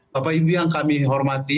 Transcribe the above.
bapak ibu yang kami hormati